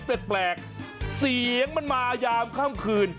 แปลกเสียงมันมายามค่ำคืน